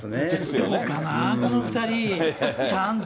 どうかな、この２人。